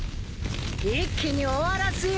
一気に終わらすよ。